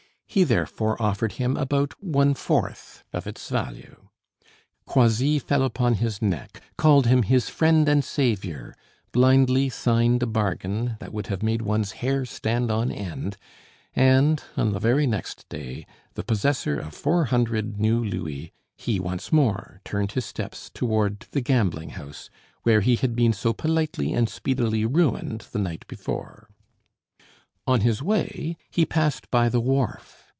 He therefore offered him about one fourth of its value. Croisilles fell upon his neck, called him his friend and saviour, blindly signed a bargain that would have made one's hair stand on end, and, on the very next day, the possessor of four hundred new louis, he once more turned his steps toward the gambling house where he had been so politely and speedily ruined the night before. On his way, he passed by the wharf.